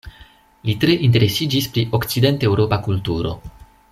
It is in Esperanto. Li tre interesiĝis pri okcident-eŭropa kulturo.